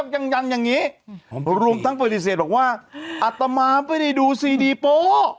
ยังยันอย่างนี้รวมทั้งปฏิเสธบอกว่าอัตมาไม่ได้ดูซีดีโป๊ะ